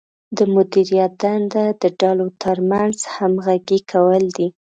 د مدیریت دنده د ډلو ترمنځ همغږي کول دي.